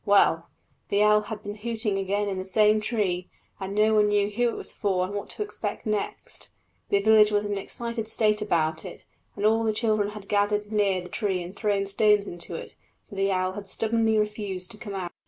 Well, the owl had been hooting again in the same tree, and no one knew who it was for and what to expect next. The village was in an excited state about it, and all the children had gathered near the tree and thrown stones into it, but the owl had stubbornly refused to come out.